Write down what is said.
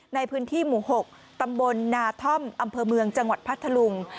ในพื้นที่หมู่๖ตำบลนาท่อมอำเภอเมืองจังหวัดพัทธลุง